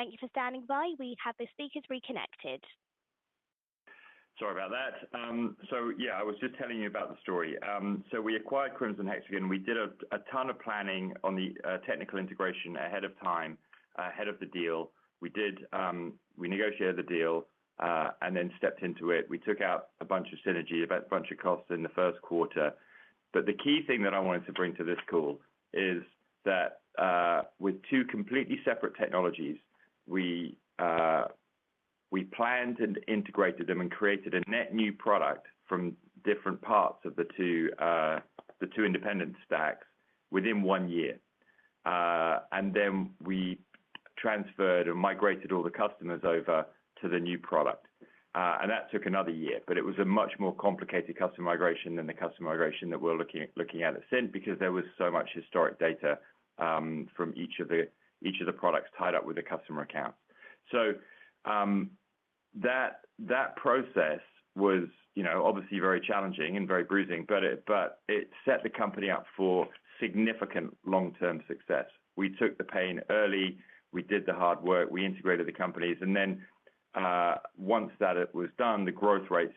Thank you for standing by. We have the speakers reconnected. Sorry about that. Yeah, I was just telling you about the story. We acquired Crimson Hexagon. We did a ton of planning on the technical integration ahead of time, ahead of the deal. We negotiated the deal, stepped into it. We took out a bunch of synergy, a bunch of costs in the first quarter. The key thing that I wanted to bring to this call is that, with two completely separate technologies, we planned and integrated them and created a net new product from different parts of the two, the two independent stacks within one year. We transferred or migrated all the customers over to the new product. That took another year, but it was a much more complicated customer migration than the customer migration that we're looking at Cint because there was so much historic data from each of the products tied up with the customer accounts. That process was, you know, obviously very challenging and very bruising, but it set the company up for significant long-term success. We took the pain early. We did the hard work, we integrated the companies, then once that it was done, the growth rates,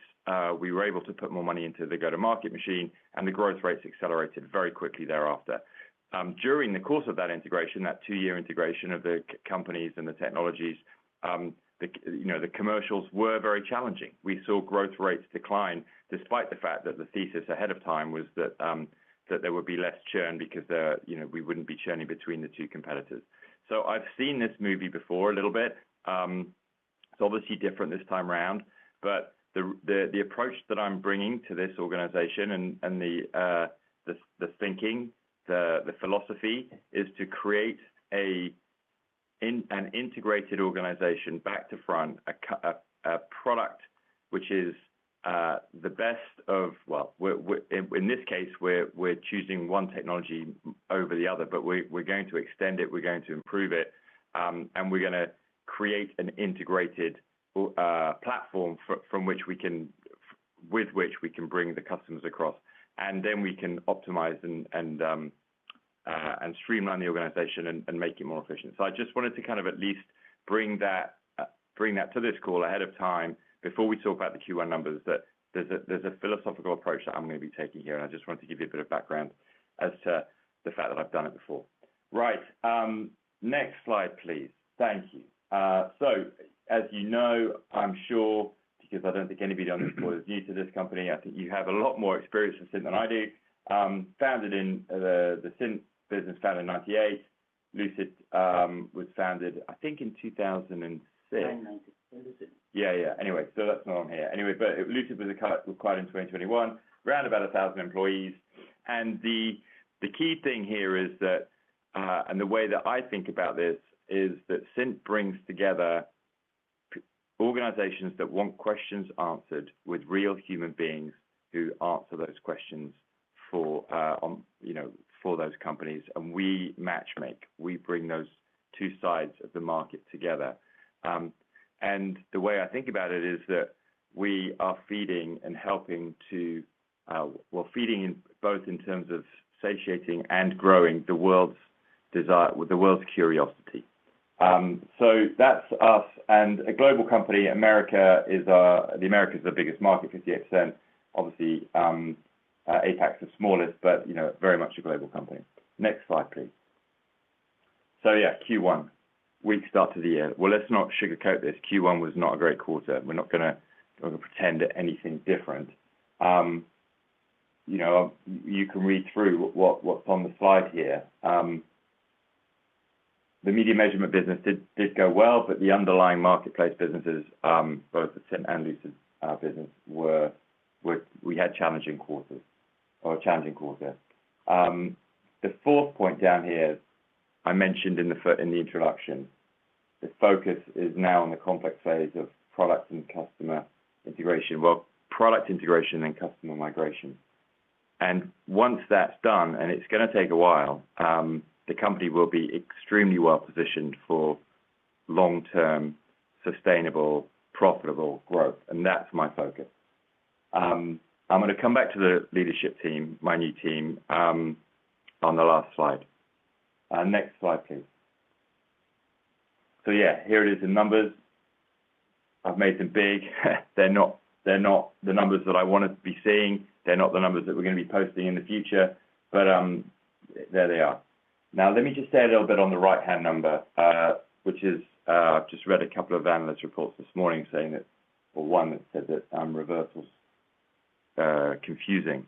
we were able to put more money into the go-to-market machine, and the growth rates accelerated very quickly thereafter. During the course of that integration, that two-year integration of the companies and the technologies, you know, the commercials were very challenging. We saw growth rates decline despite the fact that the thesis ahead of time was that there would be less churn because the, you know, we wouldn't be churning between the two competitors. I've seen this movie before a little bit. It's obviously different this time around, but the, the approach that I'm bringing to this organization and the thinking, the philosophy is to create an integrated organization back to front, a product which is, the best of... Well, In this case, we're choosing one technology over the other, but we're going to extend it, we're going to improve it, and we're gonna create an integrated platform with which we can bring the customers across, and then we can optimize and streamline the organization and make it more efficient. I just wanted to kind of at least bring that to this call ahead of time before we talk about the Q1 numbers, that there's a philosophical approach that I'm gonna be taking here, and I just wanted to give you a bit of background as to the fact that I've done it before. Right. Next slide, please. Thank you. As you know, I'm sure, because I don't think anybody on this call is new to this company, I think you have a lot more experience with Cint than I do. The Cint business founded in 1998. Lucid was founded, I think, in 2006. 9. I think it was 9. Yeah, yeah. Anyway, that's not on here. Anyway, Lucid was acquired in 2021, around about 1,000 employees. The key thing here is that, and the way that I think about this is that Cint brings together organizations that want questions answered with real human beings who answer those questions for, you know, for those companies, and we matchmake. We bring those two sides of the market together. The way I think about it is that we are feeding and helping to, we're feeding in both in terms of satiating and growing the world's desire, the world's curiosity. That's us and a global company. America is, the Americas is the biggest market, 58%. Obviously, APAC's the smallest, but you know, very much a global company. Next slide, please. Yeah, Q1. Weak start to the year. Well, let's not sugarcoat this. Q1 was not a great quarter. We're not gonna pretend that anything different. You know, you can read through what's on the slide here. The media measurement business did go well, but the underlying marketplace businesses, both the Cint and Lucid business, we had challenging quarters or a challenging quarter. The fourth point down here I mentioned in the introduction. The focus is now on the complex phase of product and customer integration. Well, product integration and customer migration. Once that's done, and it's gonna take a while, the company will be extremely well-positioned for long-term, sustainable, profitable growth, and that's my focus. I'm gonna come back to the leadership team, my new team, on the last slide. Next slide, please. Yeah, here it is in numbers. I've made them big. They're not the numbers that I wanted to be seeing. They're not the numbers that we're gonna be posting in the future, but there they are. Let me just say a little bit on the right-hand number, which is, I've just read a couple of analyst reports this morning saying that, or one that said that reversals are confusing.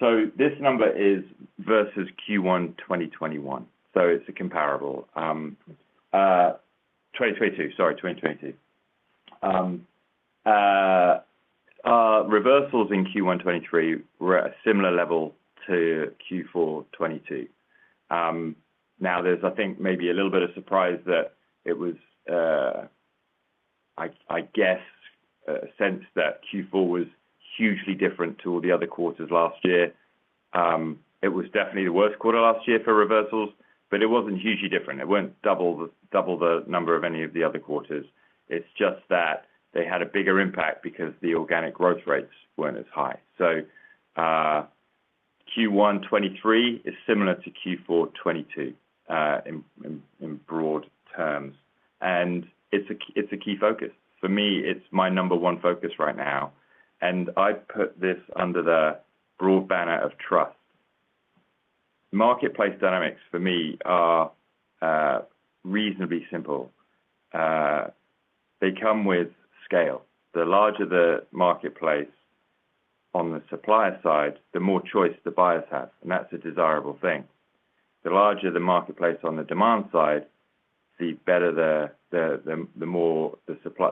This number is versus Q1 2021. It's a comparable. 2022, sorry, 2022. Reversals in Q1 2023 were at a similar level to Q4 2022. There's, I think, maybe a little bit of surprise that it was, I guess a sense that Q4 was hugely different to all the other quarters last year. It was definitely the worst quarter last year for reversals, but it wasn't hugely different. It wasn't double the number of any of the other quarters. It's just that they had a bigger impact because the organic growth rates weren't as high. Q1 2023 is similar to Q4 2023, in broad terms, and it's a key, it's a key focus. For me, it's my number one focus right now, and I put this under the broad banner of trust. Marketplace dynamics for me are reasonably simple. They come with scale. The larger the marketplace on the supply side, the more choice the buyers have, and that's a desirable thing. The larger the marketplace on the demand side, the better the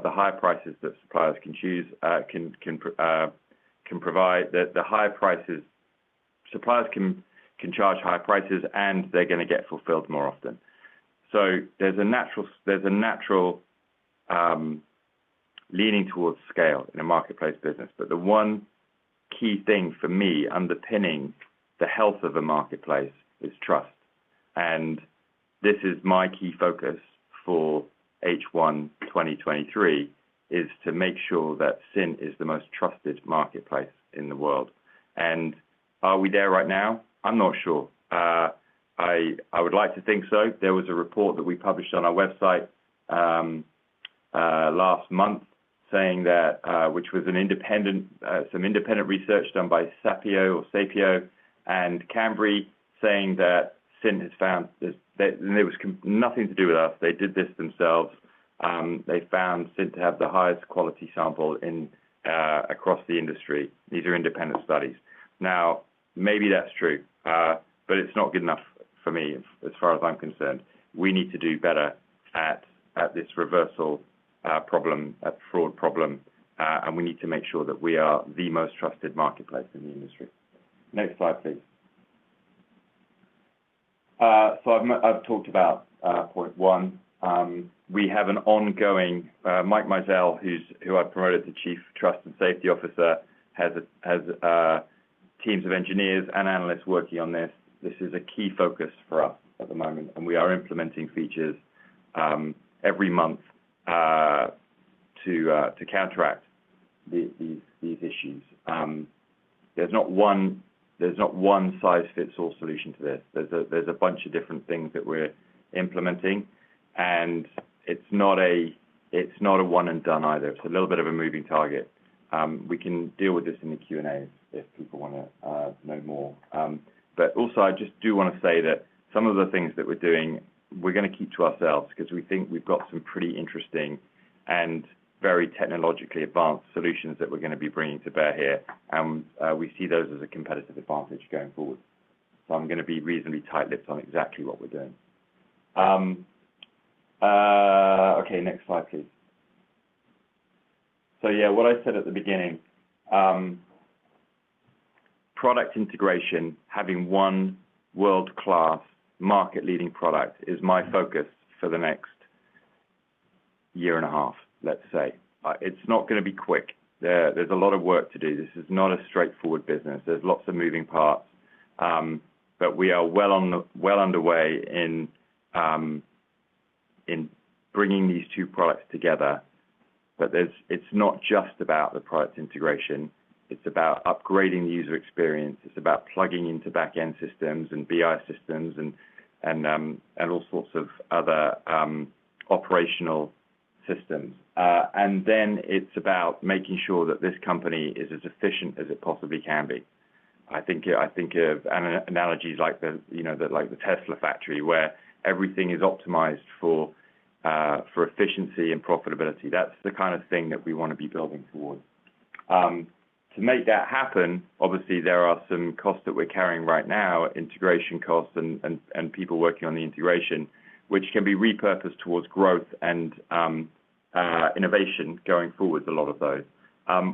higher prices that suppliers can choose, can provide. The higher prices. Suppliers can charge higher prices, and they're gonna get fulfilled more often. There's a natural leaning towards scale in a marketplace business. The one key thing for me underpinning the health of a marketplace is trust. This is my key focus for H1 2023, is to make sure that Cint is the most trusted marketplace in the world. Are we there right now? I'm not sure. I would like to think so. There was a report that we published on our website last month saying that which was an independent, some independent research done by Sapio and Cambri saying that Cint has found this. It was nothing to do with us. They did this themselves. They found Cint to have the highest quality sample across the industry. These are independent studies. Maybe that's true, but it's not good enough for me as far as I'm concerned. We need to do better at this reversal problem, at fraud problem, and we need to make sure that we are the most trusted marketplace in the industry. Next slide, please. I've talked about point one. We have an ongoing Mike Misial, who's, who I promoted to Chief Trust and Safety Officer, has teams of engineers and analysts working on this. This is a key focus for us at the moment, and we are implementing features every month to counteract these issues. There's not one size fits all solution to this. There's a bunch of different things that we're implementing. It's not a, it's not a one and done either. It's a little bit of a moving target. We can deal with this in the Q&A if people wanna know more. Also I just do wanna say that some of the things that we're doing, we're gonna keep to ourselves 'cause we think we've got some pretty interesting and very technologically advanced solutions that we're gonna be bringing to bear here, and we see those as a competitive advantage going forward. I'm gonna be reasonably tight-lipped on exactly what we're doing. Okay, next slide please. Yeah, what I said at the beginning, product integration, having one world-class market leading product is my focus for the next year and a half, let's say. It's not gonna be quick. There's a lot of work to do. This is not a straightforward business. There's lots of moving parts, but we are well underway in bringing these two products together. It's not just about the products integration, it's about upgrading the user experience. It's about plugging into back-end systems and BI systems and all sorts of other operational systems. It's about making sure that this company is as efficient as it possibly can be. I think of analogies like, you know, like the Tesla factory where everything is optimized for efficiency and profitability. That's the kind of thing that we wanna be building towards. To make that happen, obviously there are some costs that we're carrying right now, integration costs and people working on the integration, which can be repurposed towards growth and innovation going forwards a lot of those.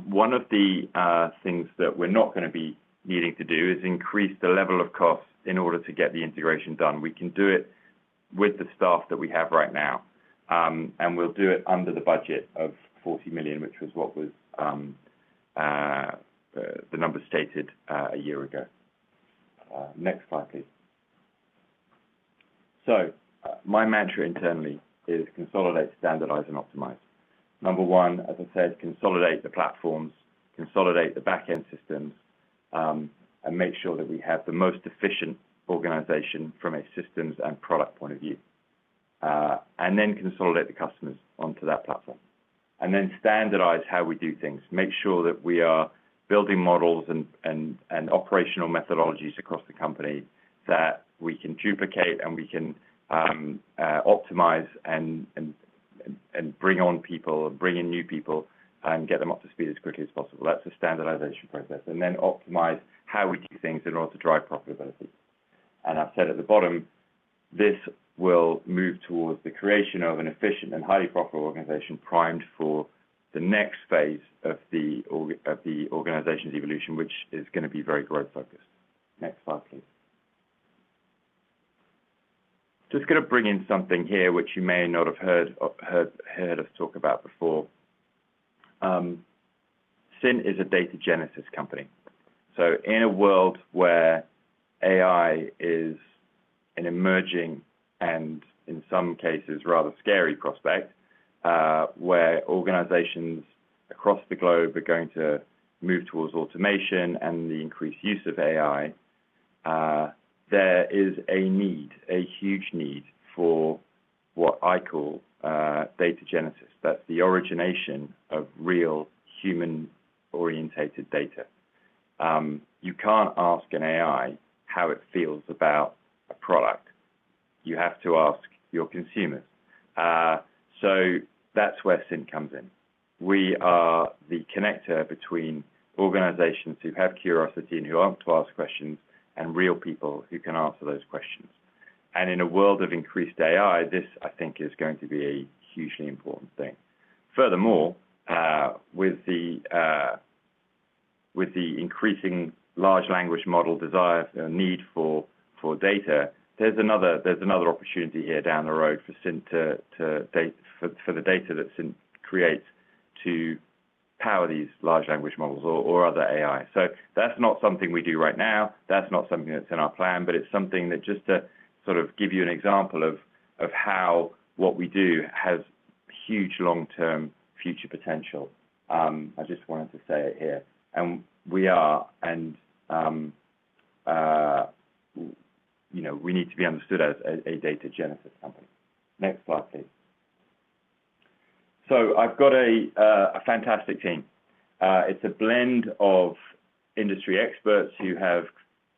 One of the things that we're not gonna be needing to do is increase the level of costs in order to get the integration done. We can do it with the staff that we have right now, and we'll do it under the budget of 40 million, which was what was the number stated a year ago. Next slide please. My mantra internally is consolidate, standardize, and optimize. Number one, as I said, consolidate the platforms, consolidate the back-end systems, and make sure that we have the most efficient organization from a systems and product point of view. Consolidate the customers onto that platform. Standardize how we do things. Make sure that we are building models and operational methodologies across the company that we can duplicate and we can optimize and bring on people, bring in new people and get them up to speed as quickly as possible. That's the standardization process. Optimize how we do things in order to drive profitability. I've said at the bottom, this will move towards the creation of an efficient and highly profitable organization primed for the next phase of the organization's evolution, which is gonna be very growth focused. Next slide, please. Just gonna bring in something here which you may not have heard us talk about before. Cint is a data genesis company. In a world where AI is an emerging and in some cases rather scary prospect, where organizations across the globe are going to move towards automation and the increased use of AI. There is a need, a huge need for what I call, data genesis. That's the origination of real human-orientated data. You can't ask an AI how it feels about a product. You have to ask your consumers. That's where Cint comes in. We are the connector between organizations who have curiosity and who want to ask questions, and real people who can answer those questions. In a world of increased AI, this, I think, is going to be a hugely important thing. Furthermore, with the increasing large language model desire, need for data, there's another opportunity here down the road for Cint to for the data that Cint creates to power these large language models or other AI. That's not something we do right now. That's not something that's in our plan, but it's something that just to sort of give you an example of how what we do has huge long-term future potential. I just wanted to say it here. We are and, you know, we need to be understood as a data genesis company. Next slide, please. I've got a fantastic team. It's a blend of industry experts who have,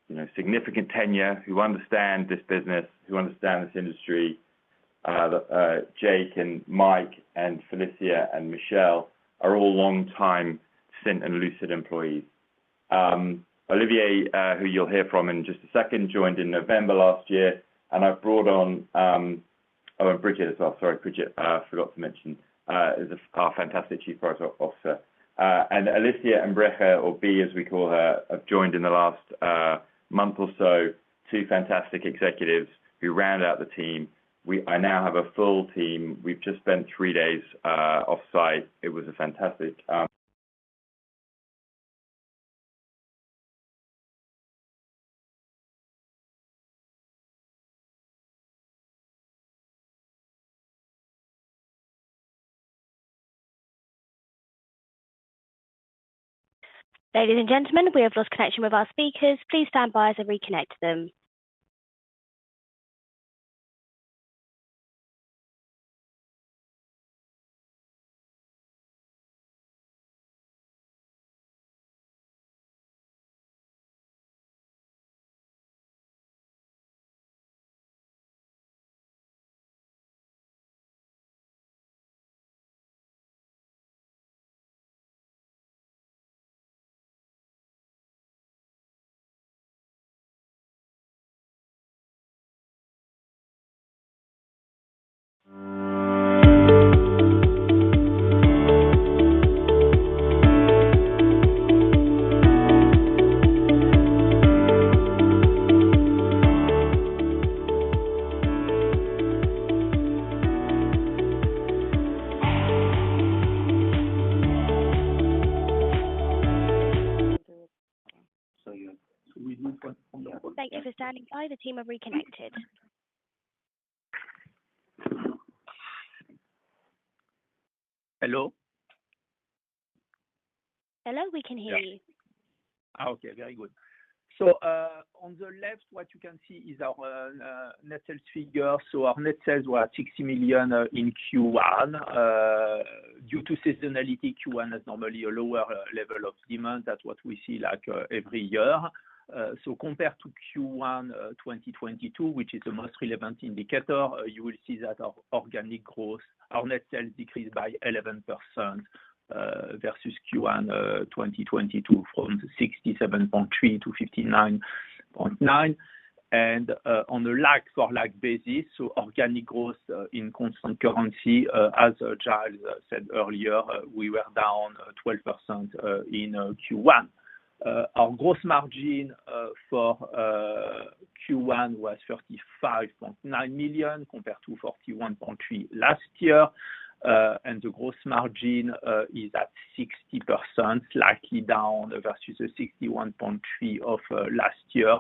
you know, significant tenure, who understand this business, who understand this industry. Jake and Mike and Felicia and Michelle are all long-time Cint and Lucid employees. Olivier, who you'll hear from in just a second, joined in November last year. I've brought on. Oh, and Bridget as well. Sorry, Bridget, I forgot to mention, is our fantastic Chief Product Officer. Alessia Braga, or B as we call her, have joined in the last month or so, two fantastic executives who round out the team. I now have a full team. We've just spent three days off-site. It was a fantastic. Ladies and gentlemen, we have lost connection with our speakers. Please stand by as I reconnect them. We move on. Thank you for standing by. The team have reconnected. Hello? Hello, we can hear you. Very good. On the left, what you can see is our net sales figure. Our net sales were SEK 60 million in Q1. Due to seasonality, Q1 has normally a lower level of demand. That's what we see, like, every year. Compared to Q1 2022, which is the most relevant indicator, you will see that our organic growth, our net sales decreased by 11% versus Q1 2022 from 67.3 to 59.9. On the like for like basis, organic growth in constant currency, as Giles said earlier, we were down 12% in Q1. Our gross margin for Q1 was 35.9 million compared to 41.3 last year. The gross margin is at 60%, slightly down versus the 61.3% of last year,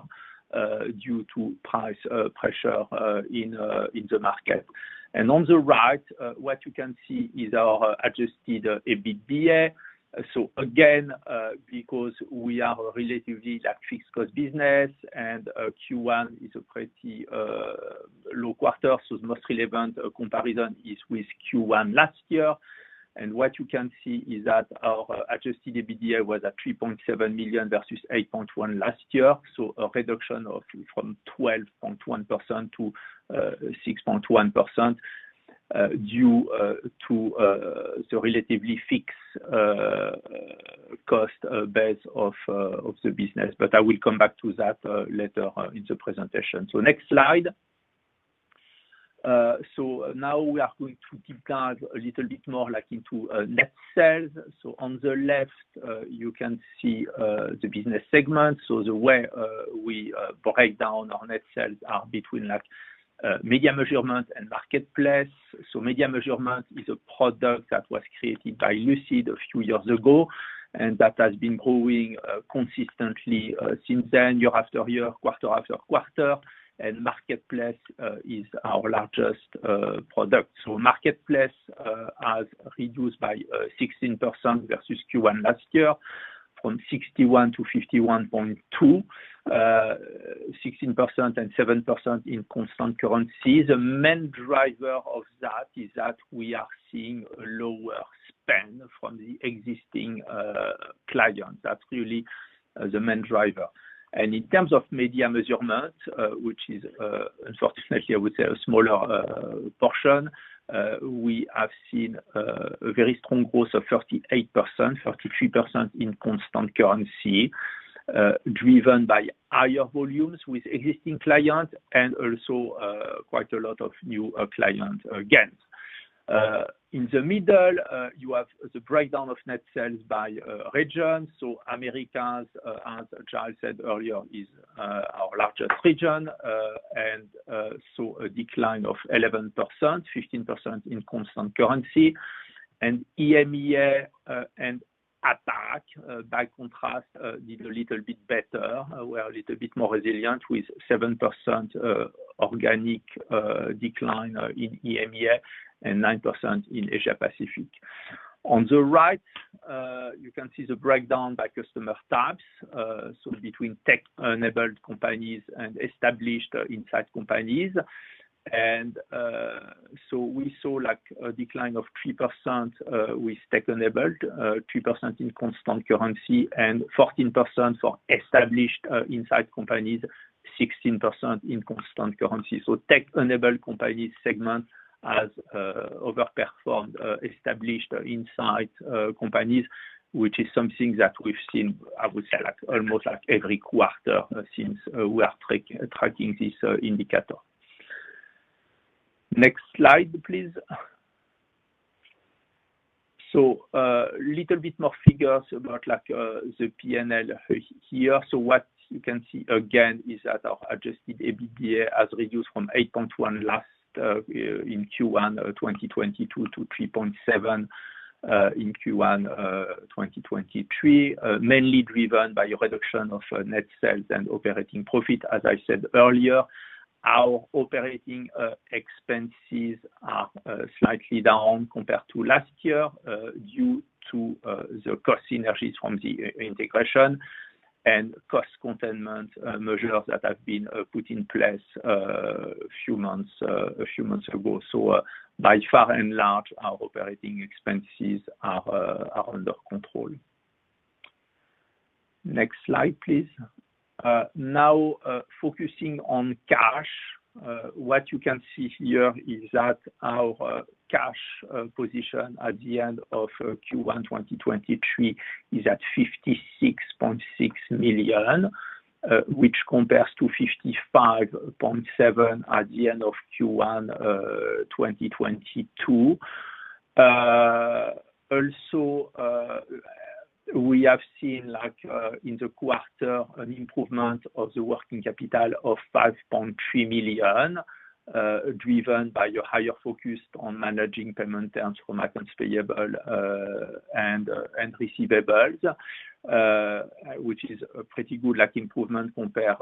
due to price pressure in the market. On the right, what you can see is our Adjusted EBITDA. Again, because we are relatively that fixed cost business and Q1 is a pretty low quarter, the most relevant comparison is with Q1 last year. What you can see is that our Adjusted EBITDA was at 3.7 million versus 8.1 million last year. A reduction of from 12.1% to 6.1% due to the relatively fixed cost base of the business. I will come back to that later on in the presentation. Next slide. Now we are going to deep dive a little bit more like into net sales. On the left, you can see the business segments. The way we break down our net sales between media measurement and marketplace. Media measurement is a product that was created by Lucid a few years ago, and that has been growing consistently since then, year after year, quarter after quarter. Marketplace is our largest product. Marketplace has reduced by 16% versus Q1 last year from 61 to 51.2, 16% and 7% in constant currency. The main driver of that is that we are seeing a lower spend from the existing clients. That's really the main driver. In terms of media measurement, which is, unfortunately, I would say a smaller portion, we have seen a very strong growth of 38%, 33% in constant currency, driven by higher volumes with existing clients and also quite a lot of new client gains. In the middle, you have the breakdown of net sales by region. Americas, as Charles said earlier, is our largest region, and saw a decline of 11%, 15% in constant currency. EMEA and APAC, by contrast, did a little bit better. We're a little bit more resilient with 7% organic decline in EMEA and 9% in Asia Pacific. On the right, you can see the breakdown by customer types, between tech-enabled companies and established insight companies. We saw like a decline of 3% with tech-enabled, 3% in constant currency, and 14% for established insight companies, 16% in constant currency. Tech-enabled companies segment has overperformed established insight companies, which is something that we've seen, I would say like almost like every quarter since we are tracking this indicator. Next slide, please. Little bit more figures about like the P&L here. What you can see again is that our Adjusted EBITDA has reduced from 8.1 last in Q1 2022 to 3.7 in Q1 2023, mainly driven by a reduction of net sales and operating profit. As I said earlier, our operating expenses are slightly down compared to last year, due to the cost synergies from the i-integration and cost containment measures that have been put in place a few months, a few months ago. By far and large, our operating expenses are under control. Next slide, please. Focusing on cash. What you can see here is that our cash position at the end of Q1 2023 is at $56.6 million, which compares to $55.7 million at the end of Q1 2022. Also, we have seen like in the quarter an improvement of the working capital of 5.3 million, driven by a higher focus on managing payment terms from accounts payable and receivables, which is a pretty good like improvement compared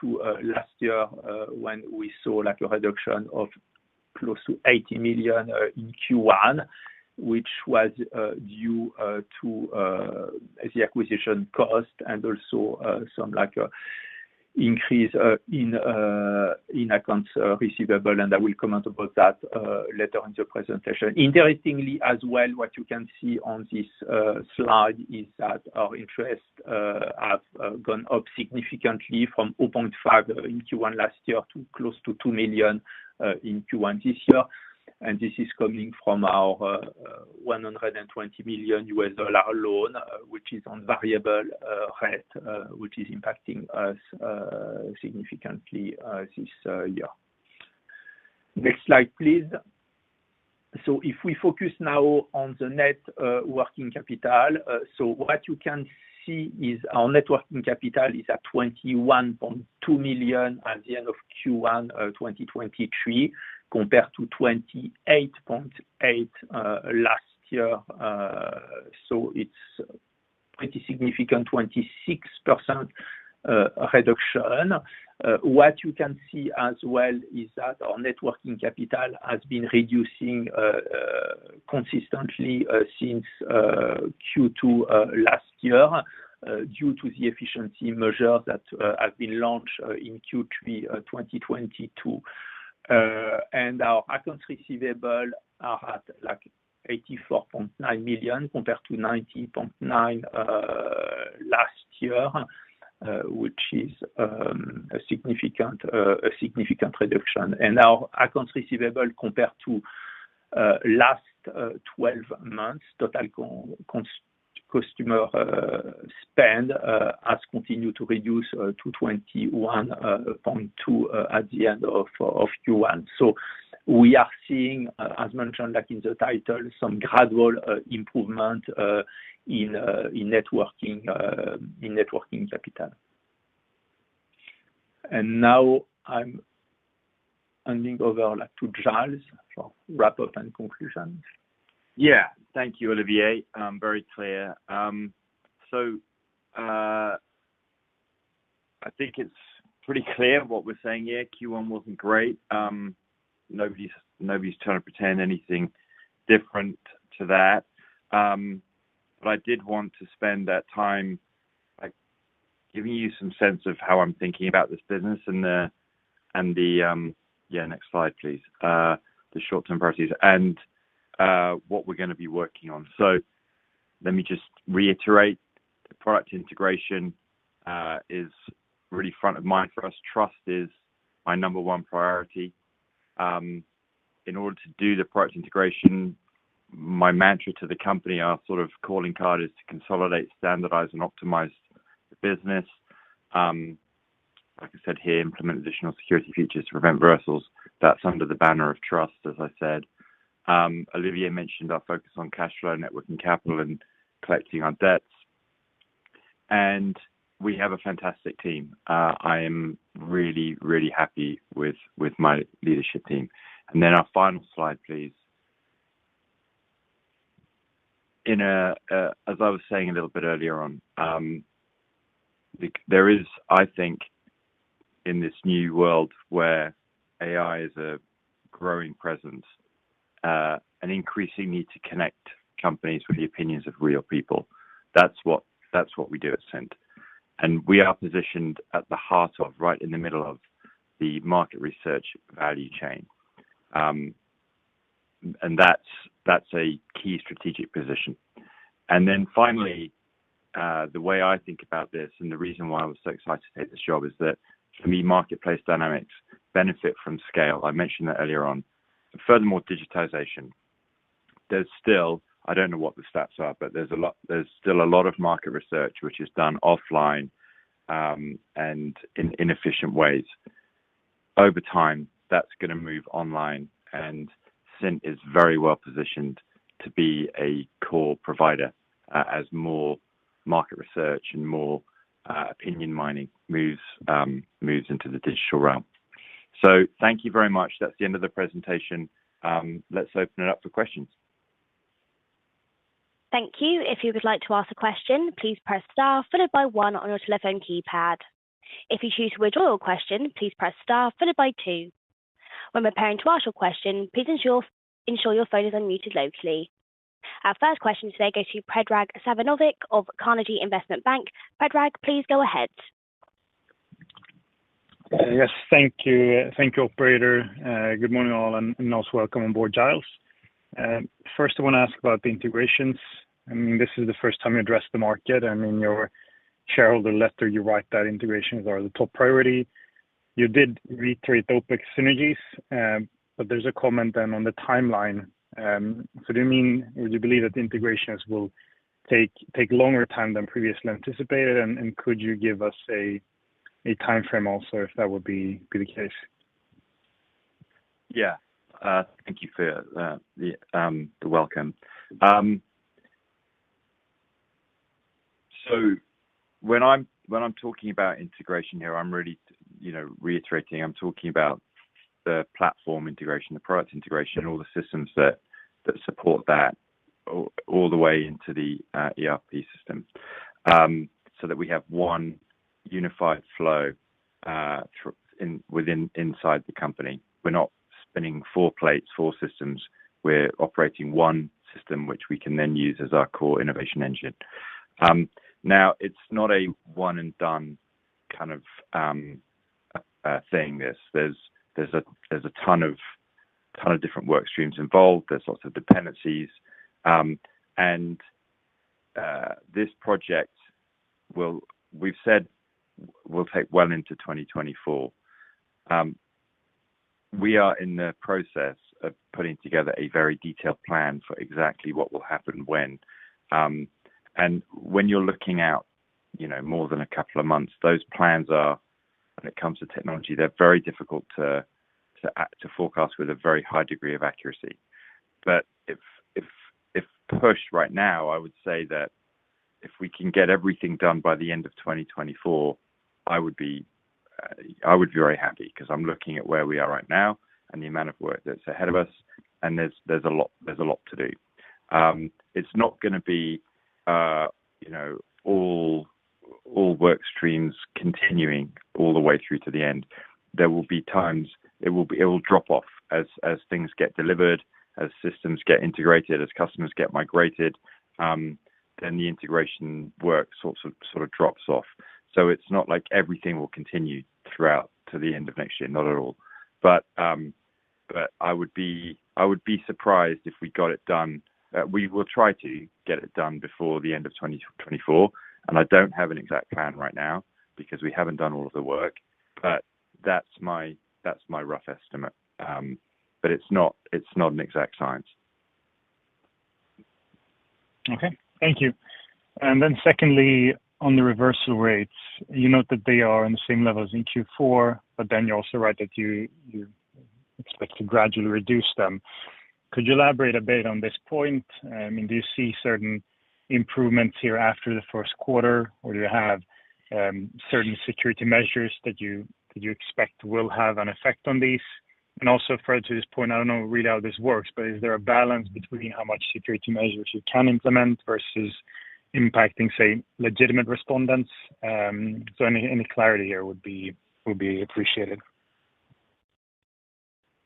to last year, when we saw like a reduction of close to 80 million in Q1, which was due to the acquisition cost and also some like increase in accounts receivable. I will comment about that later in the presentation. Interestingly as well, what you can see on this slide is that our interest has gone up significantly from 0.5 million in Q1 last year to close to 2 million in Q1 this year. This is coming from our $120 million US dollar loan, which is on variable rate, which is impacting us significantly this year. Next slide, please. If we focus now on the net working capital, what you can see is our net working capital is at $21.2 million at the end of Q1 2023, compared to $28.8 million last year. It's pretty significant, 26% reduction. What you can see as well is that our net working capital has been reducing consistently since Q2 last year, due to the efficiency measure that has been launched in Q3 2022. Our accounts receivable are at like 84.9 million compared to 90.9 million last year, which is a significant reduction. Our accounts receivable compared to last 12 months, total customer spend, has continued to reduce to 21.2% at the end of Q1. We are seeing, as mentioned, like in the title, some gradual improvement in net working capital. Now I'm handing over, like, to Giles for wrap up and conclusion. Yeah. Thank you, Olivier. very clear. I think it's pretty clear what we're saying here. Q1 wasn't great. Nobody's trying to pretend anything different to that. I did want to spend that time, like, giving you some sense of how I'm thinking about this business and the. Yeah, next slide, please. The short-term priorities and what we're gonna be working on. Let me just reiterate the product integration is really front of mind for us. Trust is my number one priority. In order to do the product integration, my mantra to the company, our sort of calling card, is to consolidate, standardize, and optimize the business. Like I said here, implement additional security features to prevent reversals. That's under the banner of trust, as I said. Olivier mentioned our focus on cash flow, net working capital, and collecting our debts. We have a fantastic team. I am really happy with my leadership team. Our final slide, please. As I was saying a little bit earlier on, there is, I think, in this new world where AI is a growing presence, an increasing need to connect companies with the opinions of real people. That's what we do at Cint. We are positioned at the heart of, right in the middle of, the market research value chain. That's a key strategic position. Finally, the way I think about this, and the reason why I was so excited to take this job, is that for me, marketplace dynamics benefit from scale. I mentioned that earlier on. Furthermore, digitization. There's still I don't know what the stats are, but there's a lot of market research which is done offline, and in inefficient ways. Over time, that's gonna move online, and Cint is very well positioned to be a core provider as more market research and more opinion mining moves into the digital realm. Thank you very much. That's the end of the presentation. Let's open it up for questions. Thank you. If you would like to ask a question, please press star followed by one on your telephone keypad. If you choose to withdraw your question, please press star followed by two. When preparing to ask your question, please ensure your phone is unmuted locally. Our first question today goes to Predrag Savinović of Carnegie Investment Bank. Predrag, please go ahead. Yes. Thank you. Thank you, operator. Good morning, all, and also welcome on board, Giles. First I wanna ask about the integrations. I mean, this is the first time you addressed the market. I mean, your shareholder letter, you write that integrations are the top priority. You did reiterate OpEx synergies, but there's a comment then on the timeline. Do you believe that the integrations will take longer time than previously anticipated? Could you give us a timeframe also if that would be the case? Yeah. Thank you for the welcome. When I'm talking about integration here, I'm really, you know, reiterating. I'm talking about the platform integration, the product integration, all the systems that support that all the way into the ERP system, so that we have one unified flow inside the company. We're not spinning four plates, four systems. We're operating one system, which we can then use as our core innovation engine. It's not a one and done kind of thing, this. There's a ton of different work streams involved. There's lots of dependencies. This project we've said will take well into 2024. We are in the process of putting together a very detailed plan for exactly what will happen when. When you're looking out, you know, more than a couple of months, those plans are, when it comes to technology, they're very difficult to forecast with a very high degree of accuracy. If, if pushed right now, I would say that if we can get everything done by the end of 2024, I would be, I would be very happy, 'cause I'm looking at where we are right now and the amount of work that's ahead of us, and there's a lot, there's a lot to do. It's not gonna be, you know, all work streams continuing all the way through to the end. There will be times it will drop off as things get delivered, as systems get integrated, as customers get migrated, then the integration work sort of drops off. It's not like everything will continue throughout to the end of next year. Not at all. I would be surprised if we got it done. We will try to get it done before the end of 2024, and I don't have an exact plan right now because we haven't done all of the work, but that's my, that's my rough estimate. It's not, it's not an exact science. Okay. Thank you. Secondly, on the reversal rates, you note that they are on the same level as in Q4, but then you also write that you expect to gradually reduce them. Could you elaborate a bit on this point? I mean, do you see certain improvements here after the first quarter, or do you have certain security measures that you expect will have an effect on these? Also further to this point, I don't know really how this works, but is there a balance between how much security measures you can implement versus impacting, say, legitimate respondents? Any clarity here would be appreciated.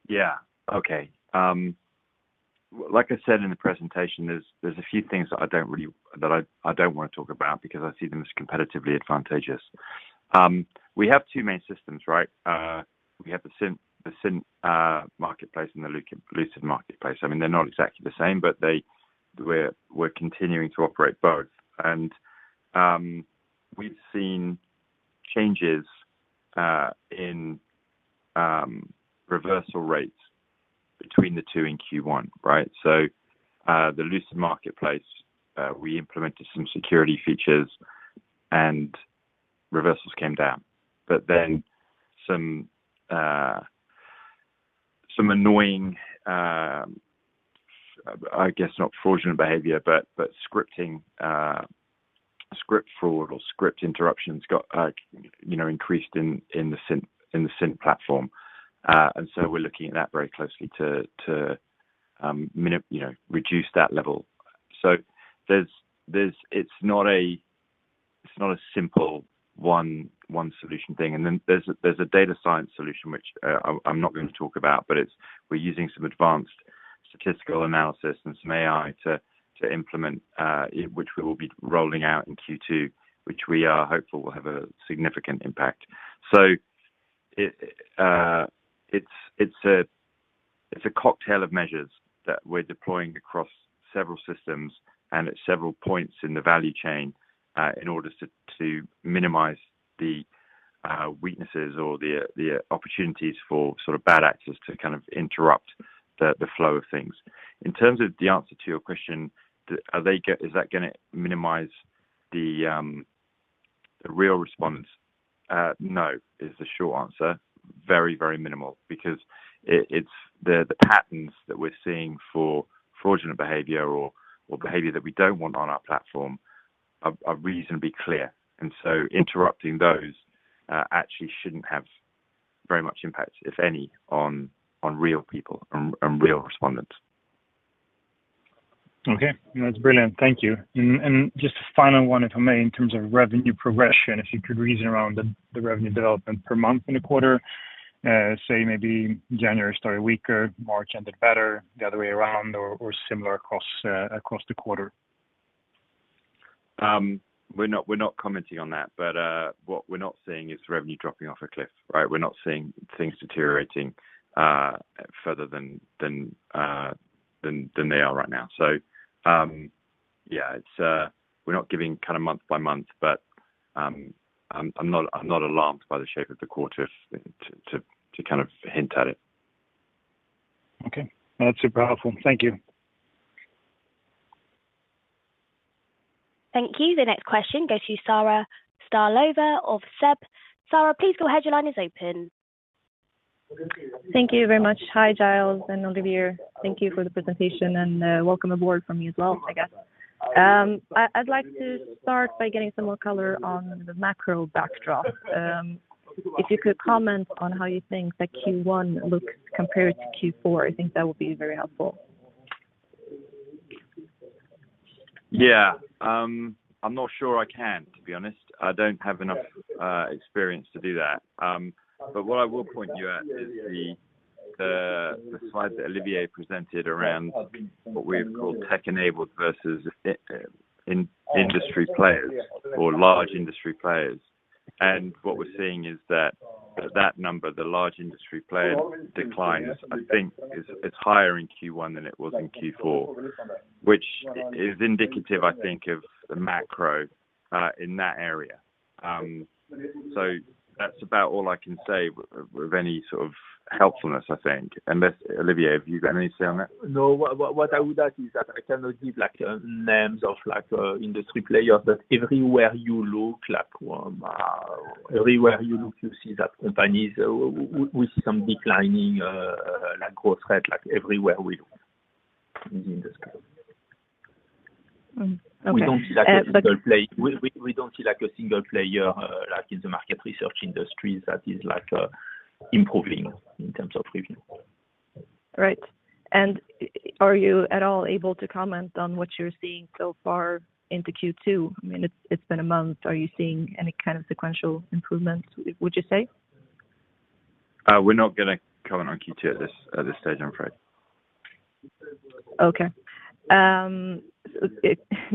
Yeah. Okay. Like I said in the presentation, there's a few things that I don't wanna talk about because I see them as competitively advantageous. We have two main systems, right? We have the Cint marketplace and the Lucid marketplace. I mean, they're not exactly the same, but we're continuing to operate both. We've seen changes in reversal rates between the two in Q1, right? The Lucid marketplace, we implemented some security features and reversals came down. Some annoying, I guess not fraudulent behavior, but scripting, script fraud or script interruptions got, you know, increased in the Cint platform. We're looking at that very closely to, you know, reduce that level. It's not a simple one solution thing. There's a data science solution, which I'm not gonna talk about, but we're using some advanced statistical analysis and some AI to implement, which we will be rolling out in Q2, which we are hopeful will have a significant impact. It's a cocktail of measures that we're deploying across several systems and at several points in the value chain in order to minimize the weaknesses or the opportunities for sort of bad actors to kind of interrupt the flow of things. In terms of the answer to your question, is that gonna minimize the real respondents? No is the short answer. Very, very minimal because it's the patterns that we're seeing for fraudulent behavior or behavior that we don't want on our platform are reasonably clear. Interrupting those actually shouldn't have very much impact, if any, on real people and real respondents. Okay. No, that's brilliant. Thank you. Just a final one, if I may, in terms of revenue progression, if you could reason around the revenue development per month in the quarter, say maybe January started weaker, March ended better, the other way around or similar across the quarter. We're not, we're not commenting on that, but what we're not seeing is revenue dropping off a cliff, right? We're not seeing things deteriorating further than they are right now. Yeah, it's, we're not giving kind of month by month, but I'm not alarmed by the shape of the quarter to kind of hint at it. Okay. No, that's super helpful. Thank you. Thank you. The next question goes to Sara Starlova of SEB. Sara, please go ahead. Your line is open. Thank you very much. Hi, Giles and Olivier. Thank you for the presentation and, welcome aboard from me as well, I guess. I'd like to start by getting some more color on the macro backdrop. If you could comment on how you think the Q1 looks compared to Q4, I think that would be very helpful. Yeah. I'm not sure I can, to be honest. I don't have enough experience to do that. What I will point you at is the slides that Olivier presented around what we have called tech-enabled versus in-industry players or large industry players. What we're seeing is that number, the large industry player declines, I think is, it's higher in Q1 than it was in Q4, which is indicative, I think, of the macro in that area. That's about all I can say with any sort of helpfulness, I think. Unless, Olivier, have you got anything to say on that? No. What I would add is that I cannot give, like, names of, like, industry players, but everywhere you look, like, everywhere you look, you see that companies with some declining, like, growth rate, like, everywhere we look in the industry. Okay. We don't see like a single player, like in the market research industry that is like, improving in terms of revenue. Right. Are you at all able to comment on what you're seeing so far into Q2? I mean, it's been a month. Are you seeing any kind of sequential improvements, would you say? We're not gonna comment on Q2 at this stage, I'm afraid. Okay.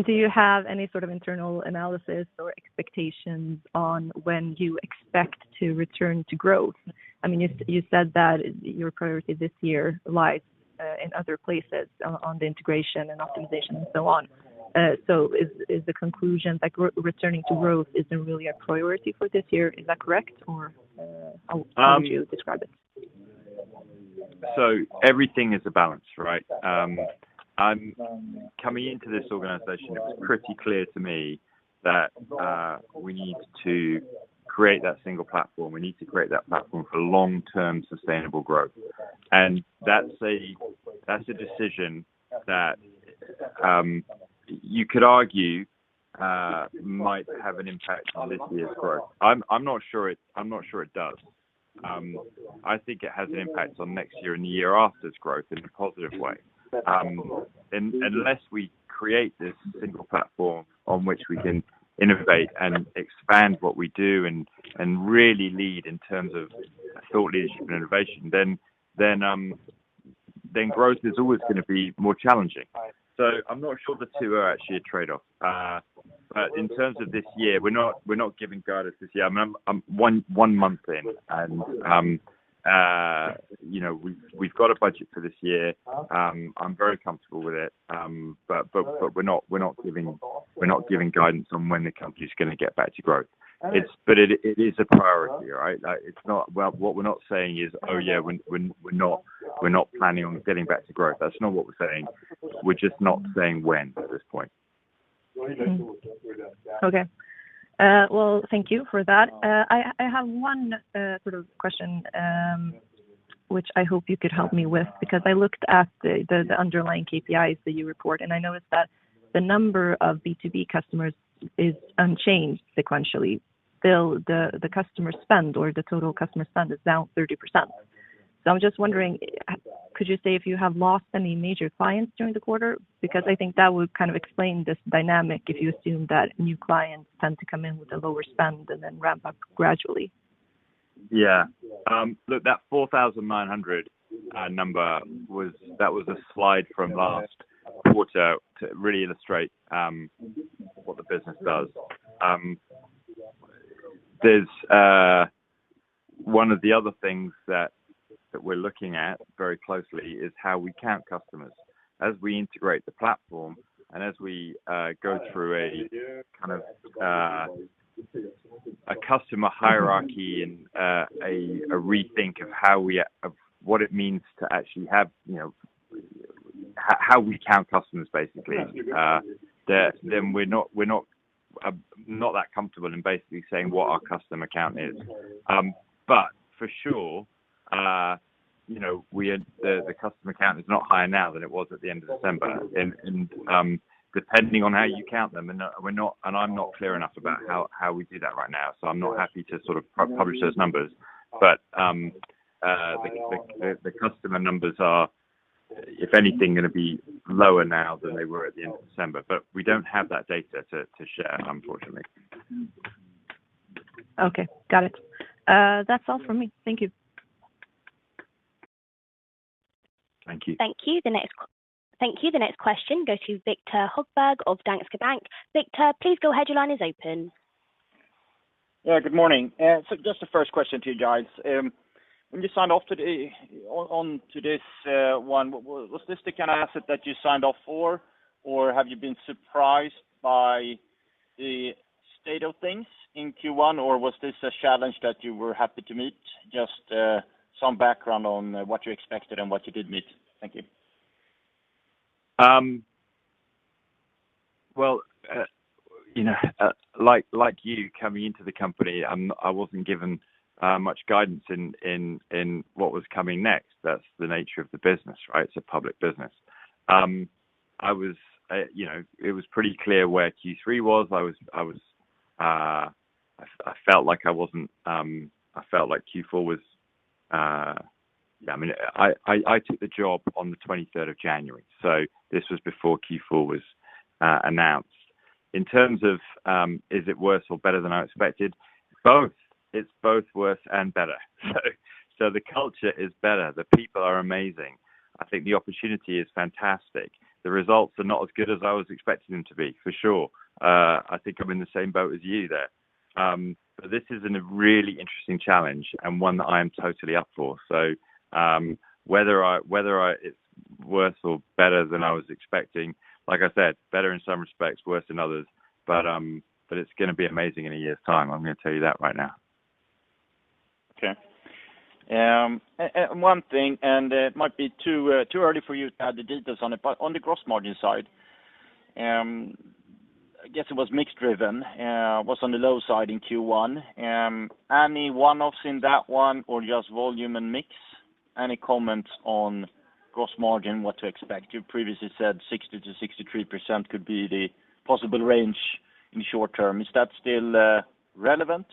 Do you have any sort of internal analysis or expectations on when you expect to return to growth? I mean, you said that your priority this year lies in other places on the integration and optimization and so on. Is the conclusion that returning to growth isn't really a priority for this year? Is that correct? Or how would you describe it? Everything is a balance, right? Coming into this organization, it was pretty clear to me that we need to create that single platform. We need to create that platform for long-term sustainable growth. That's a, that's a decision that you could argue might have an impact on this year's growth. I'm not sure it does. I think it has an impact on next year and the year after's growth in a positive way. Unless we create this single platform on which we can innovate and expand what we do and really lead in terms of thought leadership and innovation, then growth is always gonna be more challenging. I'm not sure the two are actually a trade-off. In terms of this year, we're not, we're not giving guidance this year. I'm 1 month in and, you know, we've got a budget for this year. I'm very comfortable with it. We're not giving guidance on when the company's gonna get back to growth. It is a priority, right? Like, it's not... Well, what we're not saying is, "Oh, yeah, we're not planning on getting back to growth." That's not what we're saying. We're just not saying when at this point. Okay. Well, thank you for that. I have one sort of question, which I hope you could help me with because I looked at the underlying KPIs that you report, and I noticed that the number of B2B customers is unchanged sequentially, though the customer spend or the total customer spend is down 30%. I was just wondering, could you say if you have lost any major clients during the quarter? I think that would kind of explain this dynamic if you assume that new clients tend to come in with a lower spend and then ramp up gradually. Yeah. Look, that 4,900 number was that was a slide from last quarter to really illustrate what the business does. There's One of the other things that we're looking at very closely is how we count customers. As we integrate the platform and as we go through a kind of a customer hierarchy and a rethink of how we of what it means to actually have, you know How we count customers, basically, then we're not not that comfortable in basically saying what our customer count is. But for sure, you know, the customer count is not higher now than it was at the end of December. Depending on how you count them, I'm not clear enough about how we do that right now, so I'm not happy to sort of publish those numbers. The customer numbers are, if anything, gonna be lower now than they were at the end of December. We don't have that data to share, unfortunately. Okay. Got it. That's all from me. Thank you. Thank you. Thank you. The next question goes to Viktor Högberg of Danske Bank. Viktor, please go ahead. Your line is open. Yeah. Good morning. Just the first question to you, guys. When you signed off on to this one, was this the kind of asset that you signed off for? Or have you been surprised by the state of things in Q1? Or was this a challenge that you were happy to meet? Just some background on what you expected and what you did meet. Thank you. Well, you know, like you, coming into the company, I wasn't given much guidance in what was coming next. That's the nature of the business, right? It's a public business. I was, you know... It was pretty clear where Q3 was. I felt like I wasn't... I felt like Q4 was... I mean, I took the job on the 23rd of January, so this was before Q4 was announced. In terms of, is it worse or better than I expected? Both. It's both worse and better. The culture is better. The people are amazing. I think the opportunity is fantastic. The results are not as good as I was expecting them to be, for sure. I think I'm in the same boat as you there. This is an really interesting challenge and one that I am totally up for. Whether I... It's worse or better than I was expecting, like I said, better in some respects, worse in others. But it's gonna be amazing in a year's time. I'm gonna tell you that right now. Okay. One thing, and it might be too early for you to have the details on it. On the gross margin side, I guess it was mix driven, was on the low side in Q1. Any one-offs in that one or just volume and mix? Any comments on gross margin, what to expect? You previously said 60%-63% could be the possible range in short term. Is that still relevant?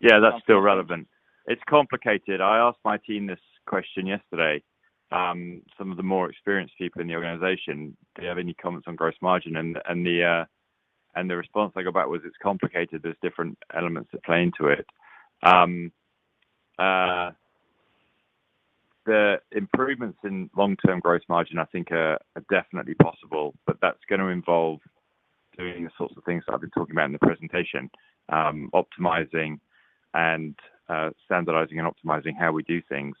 Yeah, that's still relevant. It's complicated. I asked my team this question yesterday, some of the more experienced people in the organization, do you have any comments on gross margin? The response I got back was, "It's complicated. There's different elements that play into it." The improvements in long-term gross margin I think are definitely possible, but that's gonna involve doing the sorts of things that I've been talking about in the presentation, optimizing and standardizing and optimizing how we do things.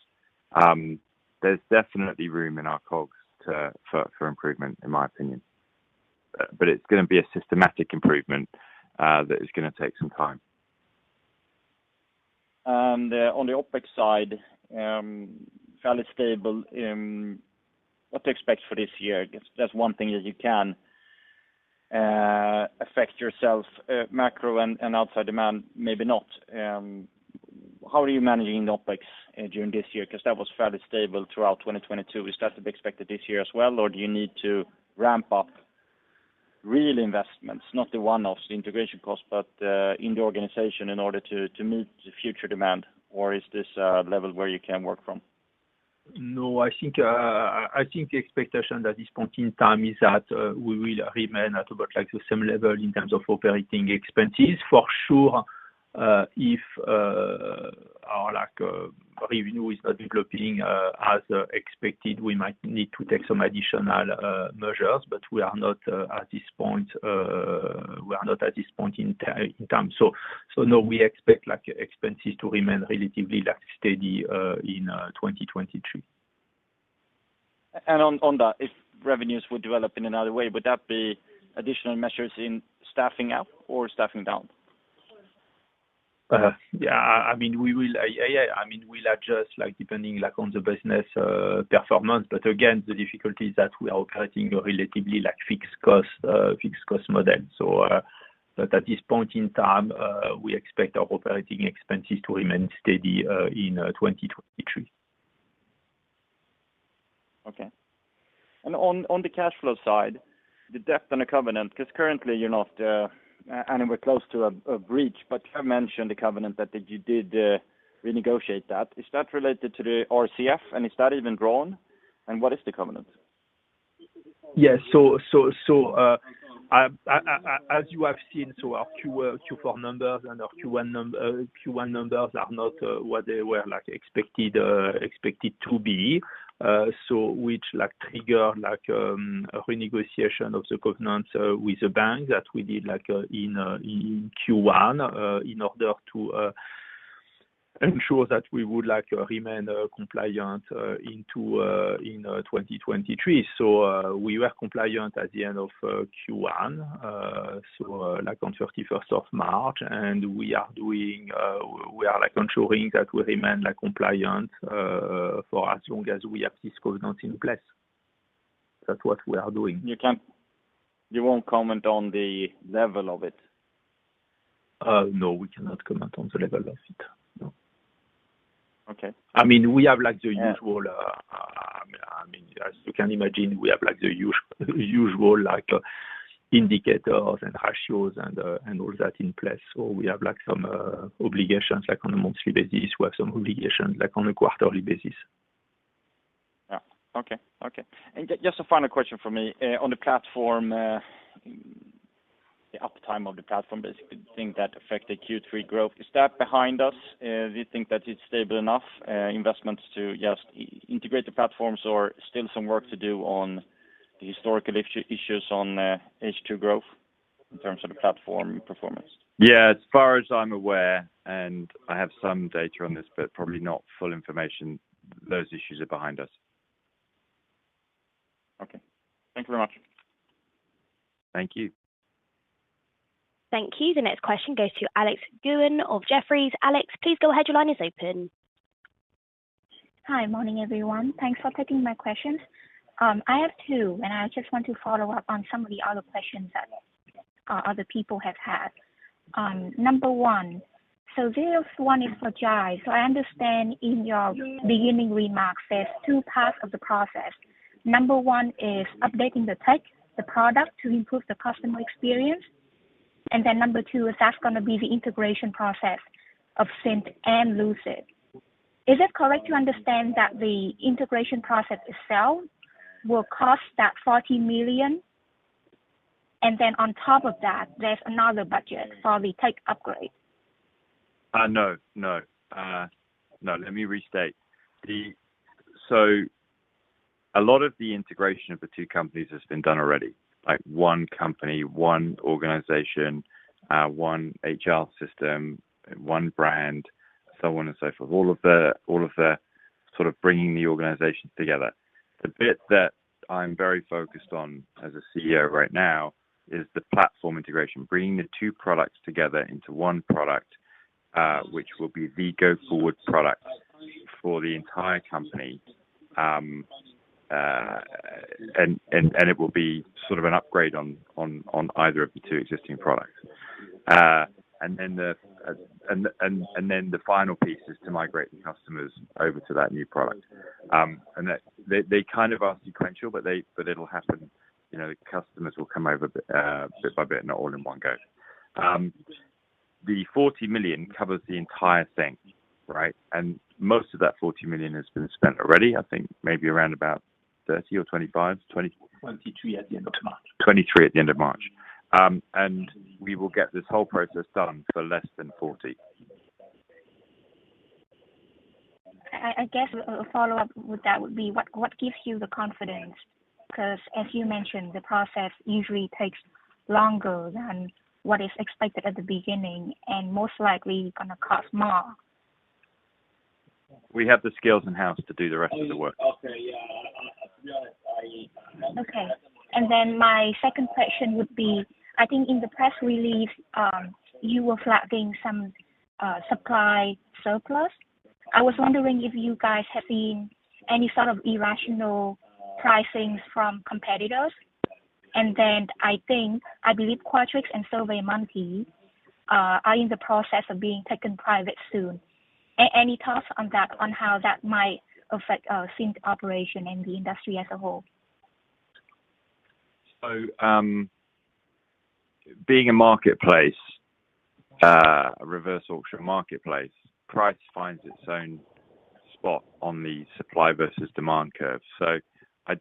There's definitely room in our costs for improvement in my opinion. But it's gonna be a systematic improvement that is gonna take some time. On the OpEx side, fairly stable, what to expect for this year, I guess that's one thing that you can affect yourself, macro and outside demand, maybe not. How are you managing OpEx during this year? 'Cause that was fairly stable throughout 2022. Is that to be expected this year as well, or do you need to ramp up real investments, not the one-offs, the integration cost, but in the organization in order to meet the future demand? Is this a level where you can work from? No, I think, I think the expectation that this point in time is that, we will remain at about, like, the same level in terms of operating expenses. For sure, if, our, like, revenue is not developing, as, expected, we might need to take some additional, measures, but we are not, at this point, we are not at this point in time. No, we expect, like, expenses to remain relatively steady, in, 2023. On that, if revenues would develop in another way, would that be additional measures in staffing up or staffing down? Yeah. I mean, we will. Yeah, yeah. I mean, we'll adjust, like, depending, like, on the business performance. Again, the difficulty is that we are operating a relatively, like, fixed cost model. At this point in time, we expect our operating expenses to remain steady in 2023. Okay. On the cash flow side, the debt and the covenant, 'cause currently you're not, and we're close to a breach, but you have mentioned the covenant that you did renegotiate that. Is that related to the RCF, and is that even drawn? What is the covenant? Yeah. As you have seen, so our Q4 numbers and our Q1 numbers are not what they were, like, expected to be, so which, like, trigger a renegotiation of the covenants with the bank that we did, like, in Q1, in order to ensure that we would, like, remain compliant into in 2023. We were compliant at the end of Q1, like, on 31st of March, and we are doing, like, ensuring that we remain, like, compliant for as long as we have this covenant in place. That's what we are doing. You won't comment on the level of it? No, we cannot comment on the level of it. No. Okay. I mean, we have, like, the usual- Yeah. I mean, as you can imagine, we have, like, the usual, like, indicators and ratios and all that in place. We have, like, some, obligations, like, on a monthly basis. We have some obligations, like, on a quarterly basis. Yeah. Okay. Okay. Just a final question from me. On the platform, the uptime of the platform, basically, the thing that affected Q3 growth, is that behind us? Do you think that it's stable enough, investments to just integrate the platforms or still some work to do on the historical issues on the H2 growth in terms of the platform performance? Yeah. As far as I'm aware, and I have some data on this, but probably not full information, those issues are behind us. Okay. Thank you very much. Thank you. Thank you. The next question goes to Alex Guo of Jefferies. Alex, please go ahead. Your line is open. Hi. Morning, everyone. Thanks for taking my questions. I have two, and I just want to follow up on some of the other questions that other people have had. Number one, this one is for Jai. I understand in your beginning remarks, there's two parts of the process. Number one is updating the tech, the product to improve the customer experience. Number two is that's gonna be the integration process of Cint and Lucid. Is it correct to understand that the integration process itself will cost that 40 million? On top of that, there's another budget for the tech upgrade. No. No. No. Let me restate. A lot of the integration of the two companies has been done already. Like, one company, one organization, one HR system, one brand, so on and so forth. All of the sort of bringing the organization together. The bit that I'm very focused on as a CEO right now is the platform integration, bringing the two products together into one product, which will be the go-forward product for the entire company. It will be sort of an upgrade on either of the two existing products. Then the final piece is to migrate the customers over to that new product. they kind of are sequential, but it'll happen, you know, customers will come over, bit by bit, not all in one go. The 40 million covers the entire thing, right? Most of that 40 million has been spent already. I think maybe around about 30 or 25. 2023 at the end of March. 2023 at the end of March. We will get this whole process done for less than 40. I guess a follow-up with that would be what gives you the confidence? Cause as you mentioned, the process usually takes longer than what is expected at the beginning and most likely gonna cost more. We have the skills in-house to do the rest of the work. Okay. Yeah. I Okay. My second question would be, I think in the press release, you were flagging some supply surplus. I was wondering if you guys have seen any sort of irrational pricings from competitors? I think, I believe Qualtrics and SurveyMonkey are in the process of being taken private soon. Any thoughts on that, on how that might affect Cint's operation in the industry as a whole? Being a marketplace, a reverse auction marketplace, price finds its own spot on the supply versus demand curve. I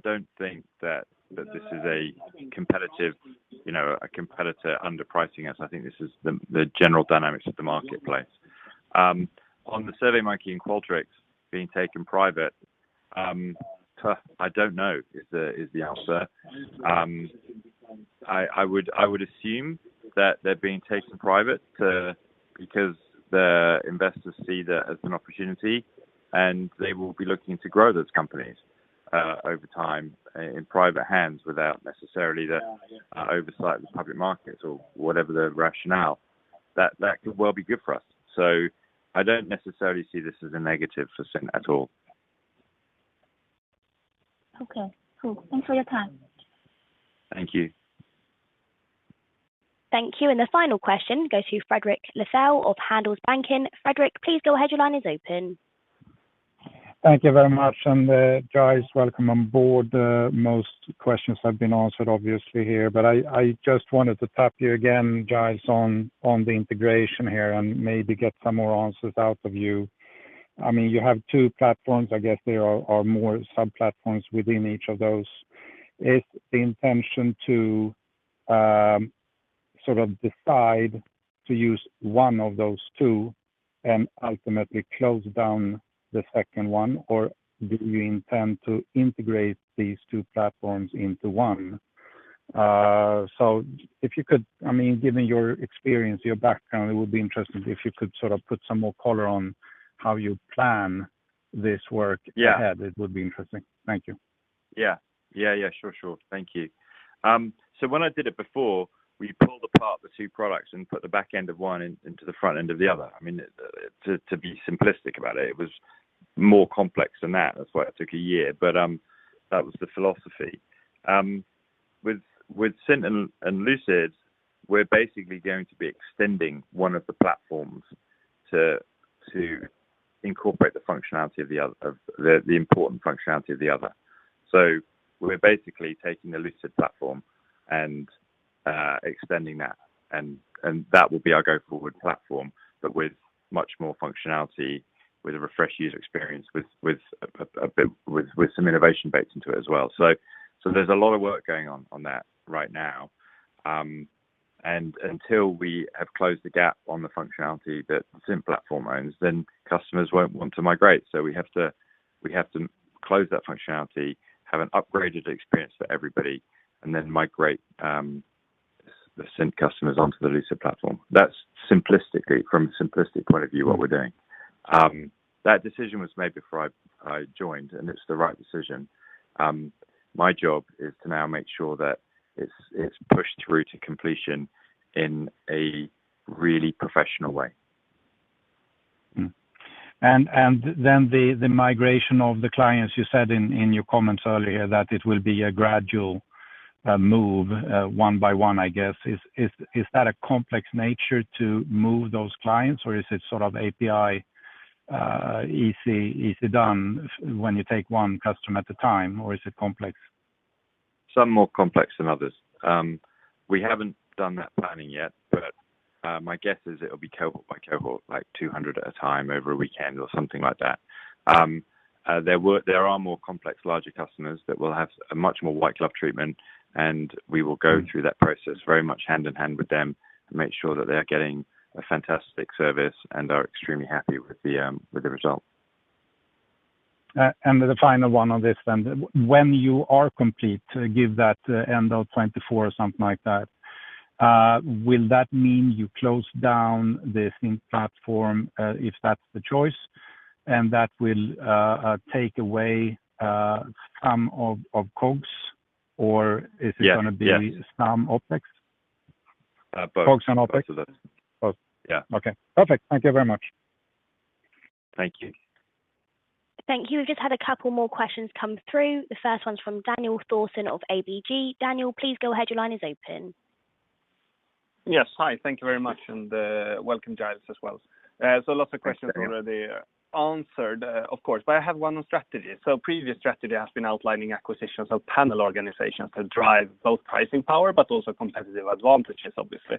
don't think that this is a competitive, you know, a competitor underpricing us. I think this is the general dynamics of the marketplace. On the SurveyMonkey and Qualtrics being taken private, tough. I don't know is the answer. I would assume that they're being taken private to because the investors see that as an opportunity, and they will be looking to grow those companies over time in private hands without necessarily the oversight of the public markets or whatever the rationale. That could well be good for us. I don't necessarily see this as a negative for Cint at all. Okay, cool. Thanks for your time. Thank you. Thank you. The final question goes to Fredrik Lithell of Handelsbanken. Fredrik, please go ahead. Your line is open. Thank you very much. Giles, welcome on board. Most questions have been answered obviously here, but I just wanted to tap you again, Giles, on the integration here and maybe get some more answers out of you. I mean, you have two platforms. I guess there are more sub-platforms within each of those. Is the intention to sort of decide to use one of those two and ultimately close down the second one, or do you intend to integrate these two platforms into one? If you could... I mean, given your experience, your background, it would be interesting if you could sort of put some more color on how you plan this work- Yeah. Ahead. It would be interesting. Thank you. Yeah. Sure. Thank you. When I did it before, we pulled apart the two products and put the back end of one in, into the front end of the other. I mean, to be simplistic about it. It was more complex than that. That's why it took a year. That was the philosophy. With Cint and Lucid, we're basically going to be extending one of the platforms to incorporate the functionality of the other, the important functionality of the other. We're basically taking the Lucid platform and extending that, and that will be our go-forward platform, but with much more functionality, with a refreshed user experience, with a, with some innovation baked into it as well. There's a lot of work going on that right now. Until we have closed the gap on the functionality that Cint platform owns, then customers won't want to migrate. We have to close that functionality, have an upgraded experience for everybody, and then migrate the Cint customers onto the Lucid platform. That's simplistically from a simplistic point of view, what we're doing. That decision was made before I joined, and it's the right decision. My job is to now make sure that it's pushed through to completion in a really professional way. Then the migration of the clients, you said in your comments earlier that it will be a gradual move one by one, I guess. Is that a complex nature to move those clients, or is it sort of API easy done when you take one customer at a time, or is it complex? Some more complex than others. We haven't done that planning yet, my guess is it'll be cohort by cohort, like 200 at a time over a weekend or something like that. There are more complex, larger customers that will have a much more white glove treatment, we will go through that process very much hand in hand with them to make sure that they are getting a fantastic service and are extremely happy with the with the result. The final one on this then. When you are complete, give that end of 2024 or something like that, will that mean you close down the Cint platform, if that's the choice, and that will take away some of costs, or is it? Yeah. Yeah. gonna be some OpEx? Both. Costs and OpEx. Both of them. Both. Yeah. Okay. Perfect. Thank you very much. Thank you. Thank you. We've just had a couple more questions come through. The first one's from Daniel Thorsson of ABG. Daniel, please go ahead. Your line is open. Yes. Hi. Thank you very much, and welcome, Giles, as well. lots of questions. Thanks, Daniel. already answered, of course, but I have one on strategy. Previous strategy has been outlining acquisitions of panel organizations to drive both pricing power but also competitive advantages, obviously.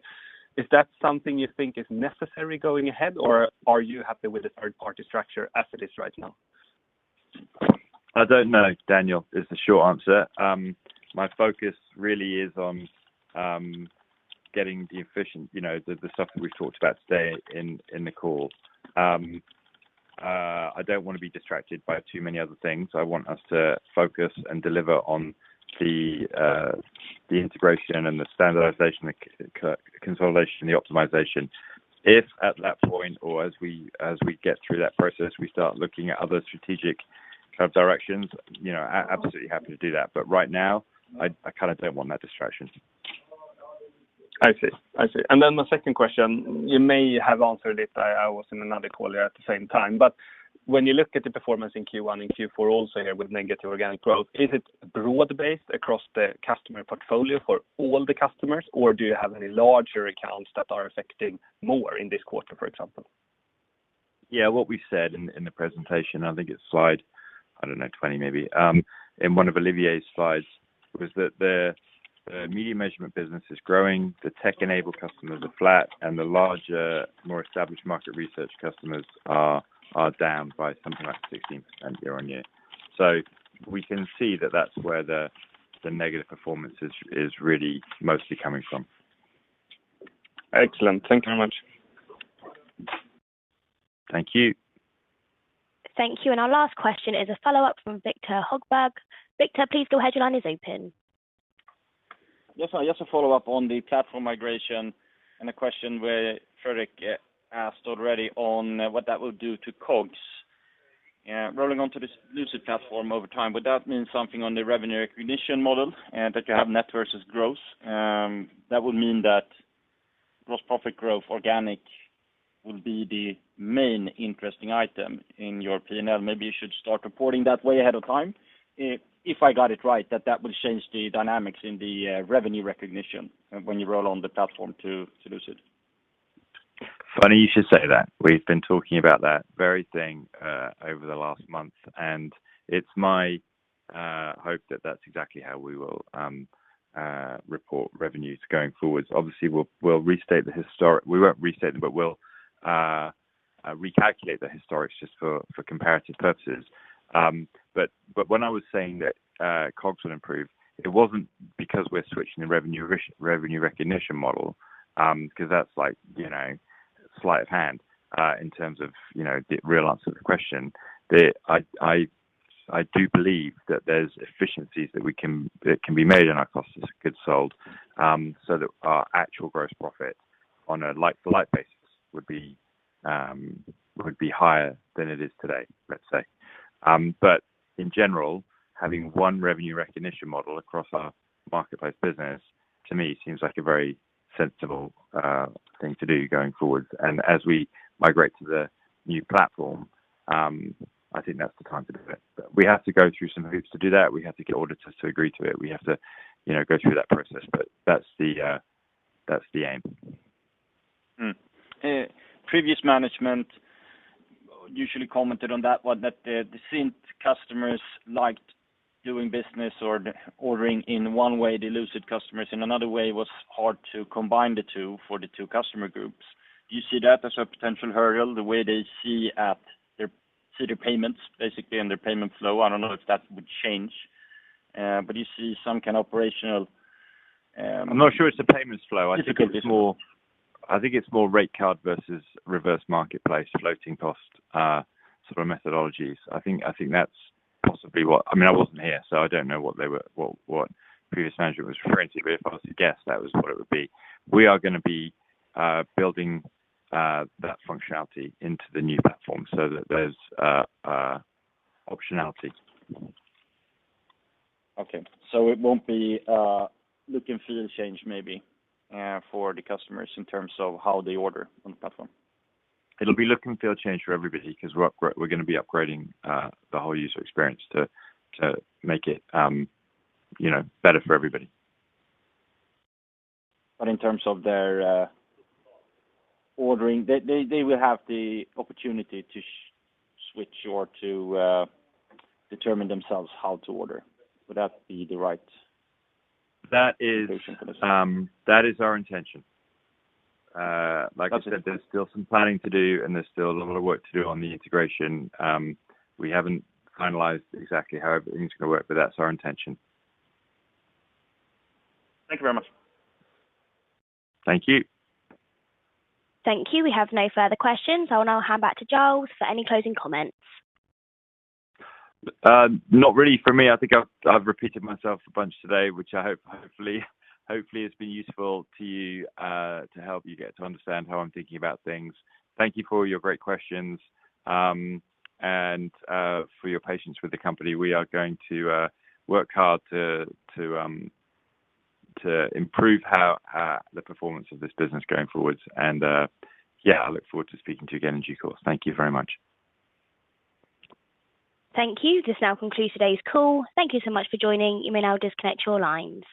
Is that something you think is necessary going ahead, or are you happy with the third-party structure as it is right now? I don't know, Daniel, is the short answer. My focus really is on getting the efficient, you know, the stuff that we've talked about today in the call. I don't wanna be distracted by too many other things. I want us to focus and deliver on The integration and the standardization, the consolidation, the optimization. If at that point, or as we get through that process, we start looking at other strategic kind of directions, you know, I absolutely happy to do that. Right now, I kinda don't want that distraction. I see. I see. My second question, you may have answered it. I was in another call here at the same time. When you look at the performance in Q1 and Q4 also here with negative organic growth, is it broad-based across the customer portfolio for all the customers, or do you have any larger accounts that are affecting more in this quarter, for example? Yeah. What we said in the presentation, I think it's slide, I don't know, 20 maybe, in one of Olivier's slides was that the Lucid Measurement business is growing. The tech-enabled customers are flat, and the larger, more established market research customers are down by something like 16% year-on-year. We can see that that's where the negative performance is really mostly coming from. Excellent. Thank you very much. Thank you. Thank you. Our last question is a follow-up from Viktor Högberg. Victor, please go ahead. Your line is open. Yes. I just a follow-up on the platform migration and a question where Fredrik asked already on what that will do to COGS. Rolling onto this Lucid platform over time, would that mean something on the revenue recognition model that you have net versus gross? That would mean that gross profit growth organic will be the main interesting item in your P&L. Maybe you should start reporting that way ahead of time. If I got it right, that will change the dynamics in the revenue recognition when you roll on the platform to Lucid. Funny you should say that. We've been talking about that very thing over the last month, and it's my hope that that's exactly how we will report revenues going forward. Obviously, we'll restate the historic... We won't restate it, but we'll recalculate the historics just for comparative purposes. When I was saying that COGS will improve, it wasn't because we're switching the revenue recognition model, 'cause that's like, you know, slight of hand in terms of, you know, the real answer to the question. I do believe that there's efficiencies that can be made in our cost of goods sold, so that our actual gross profit on a like-to-like basis would be higher than it is today, let's say. In general, having one revenue recognition model across our marketplace business, to me, seems like a very sensible thing to do going forward. As we migrate to the new platform, I think that's the time to do it. We have to go through some hoops to do that. We have to get auditors to agree to it. We have to, you know, go through that process, but that's the aim. Previous management usually commented on that one, that the Cint customers liked doing business or the ordering in one way, the Lucid customers in another way. It was hard to combine the two for the two customer groups. Do you see that as a potential hurdle, the way they see their payments, basically, and their payment flow? I don't know if that would change. You see some kind of operational. I'm not sure it's the payments flow. Difficulties. I think it's more rate card versus reverse marketplace floating cost, sort of methodologies. I think that's possibly what, I mean, I wasn't here, so I don't know what previous management was referring to. If I was to guess, that was what it would be. We are gonna be building that functionality into the new platform so that there's optionality. Okay. It won't be, look and feel change maybe, for the customers in terms of how they order on the platform. It'll be look and feel change for everybody 'cause we're gonna be upgrading, the whole user experience to make it, you know, better for everybody. in terms of their ordering, they will have the opportunity to switch or to determine themselves how to order. Would that be the right- That is- assumption for this? That is our intention. Okay. Like I said, there's still some planning to do, and there's still a little work to do on the integration. We haven't finalized exactly how everything's gonna work, but that's our intention. Thank you very much. Thank you. Thank you. We have no further questions. I will now hand back to Giles for any closing comments. Not really for me. I think I've repeated myself a bunch today, which I hope hopefully has been useful to you to help you get to understand how I'm thinking about things. Thank you for all your great questions and for your patience with the company. We are going to work hard to to improve how the performance of this business going forward. Yeah, I look forward to speaking to you again in due course. Thank you very much. Thank you. This now concludes today's call. Thank you so much for joining. You may now disconnect your lines.